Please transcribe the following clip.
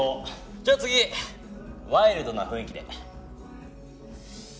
じゃ次ワイルドな雰囲気で。